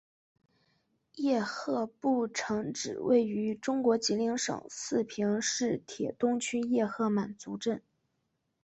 叶赫部城址位于中国吉林省四平市铁东区叶赫满族镇。